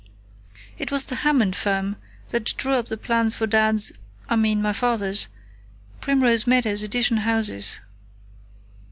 It was the Hammond firm that drew up the plans for Dad's I mean, my father's Primrose Meadows Addition houses.